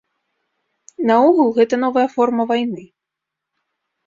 Наогул, гэта новая форма вайны.